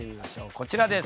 こちらです。